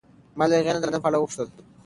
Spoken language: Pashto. ما له هغې نه د لندن په اړه وپوښتل.